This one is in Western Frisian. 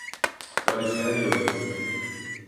Korrizjearje wurd.